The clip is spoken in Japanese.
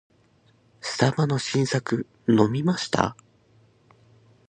スタバの新作飲みました？